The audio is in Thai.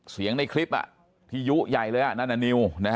เสียงในคลิปอ่ะพี่ยุใหญ่เลยอ่ะนั่นอ่ะนิวนะฮะ